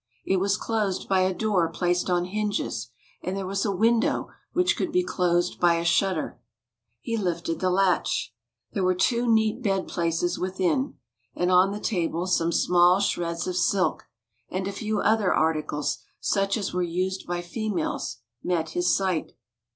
It was closed by a door placed on hinges, and there was a window which could be closed by a shutter. He lifted the latch. There were two neat bed places within, and on the table some small shreds of silk, and a few other articles such as were used by females met his sight.